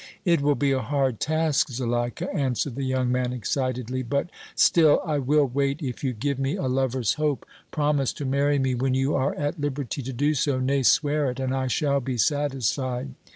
"It will be a hard task, Zuleika," answered the young man, excitedly; "but, still, I will wait if you give me a lover's hope. Promise to marry me when you are at liberty to do so, nay, swear it, and I shall be satisfied!"